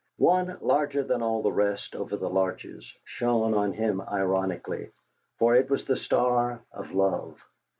One, larger than all the rest, over the larches, shone on him ironically, for it was the star of love.